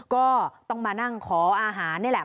ก็ต้องมานั่งขออาหารนี่แหละ